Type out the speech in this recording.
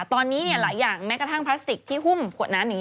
ตอนนี้หลายอย่างแม้กระทั่งพลาสติกที่หุ้มขวดน้ำอย่างนี้